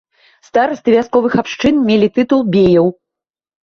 Старасты вясковых абшчын мелі тытул беяў.